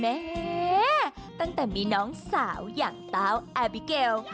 แม่ตั้งแต่มีน้องสาวอย่างเต้าแอร์บิเกล